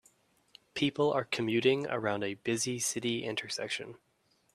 People are commuting around a busy city intersection